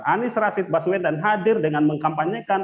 anies rasid baswedan hadir dengan mengkampanyekan mobil listrik